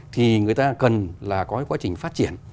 thì người ta cần là có cái quá trình phát triển